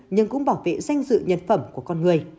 nhưng cũng bảo vệ danh dự nhân phẩm của con người